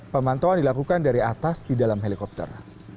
pemantauan dilakukan dari atas di dalam helikopter